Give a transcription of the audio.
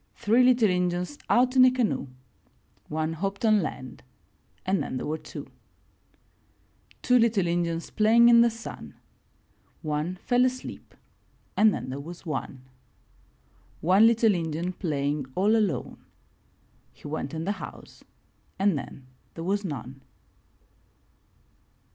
Three little Injuns out in a canoe — One hopped on land and then there were two. Two little Injuns playing in the sun — One fell asleep and then there was one. One little Injun playing all alone — He went in the house and then there was none.